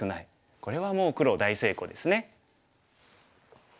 これはもう黒大成功ですね。